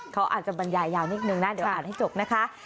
เขาอาจจะบรรยายยาวนิดนึงนะเดี๋ยวอ่านให้จบนะคะ